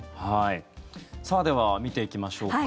では見ていきましょうか。